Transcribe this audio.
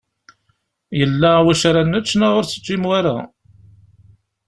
Yella wacu ara nečč neɣ ur d-teǧǧim wara?